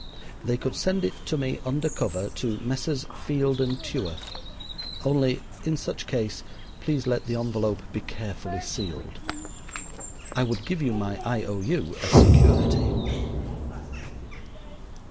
They could send it to me under cover to Messrs. Field & Tuer, only, in such case, please let the envelope be carefully sealed. I would give you my I.O.U. as security.